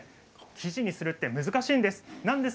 生地にするって難しいんです。